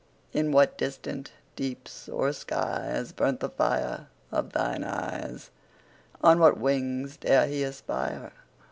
In what distant deeps or skies 5 Burnt the fire of thine eyes? On what wings dare he aspire?